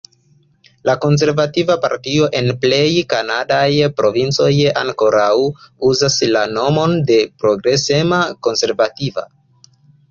La konservativaj partioj en plej kanadaj provincoj ankoraŭ uzas la nomon de Progresema Konservativa.